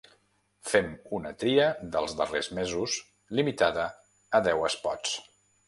Fem una tria dels darrers mesos limitada a deu espots.